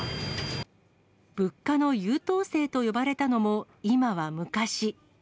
物価の優等生と呼ばれたのも今は昔。